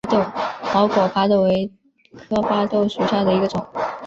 毛果巴豆为大戟科巴豆属下的一个种。